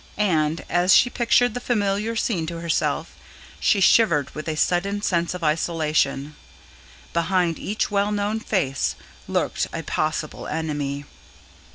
And, as she pictured the familiar scene to herself, she shivered with a sudden sense of isolation: behind each well known face lurked a possible enemy.